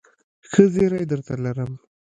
ښه زېری درته لرم ..